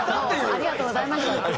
ありがとうございましたって。